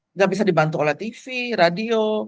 nggak bisa dibantu oleh tv radio